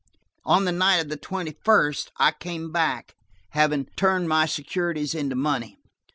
On the night of the twenty first, I came back, having turned my securities into money.